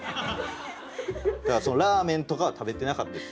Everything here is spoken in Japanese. だからラーメンとかは食べてなかったです。